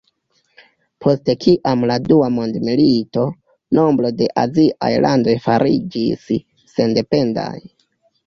Post kiam la dua mondmilito, nombro de aziaj landoj fariĝis sendependaj.